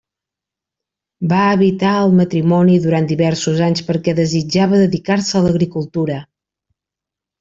Va evitar el matrimoni durant diversos anys perquè desitjava dedicar-se a l'agricultura.